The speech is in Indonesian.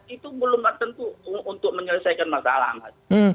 itu belum tentu untuk menyelesaikan masalah mas